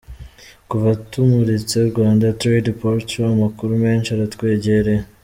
Kuva tumuritse ‘Rwanda Trade Portal’, amakuru menshi aratwegereye.